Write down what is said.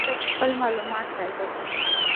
موږ باید خپل معلومات تازه کړو.